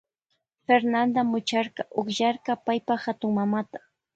Fernanda mucharka ukllarka paypa hatunmamata.